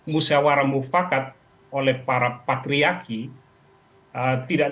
musyawara mufakat oleh para patriarki